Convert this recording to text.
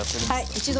はい。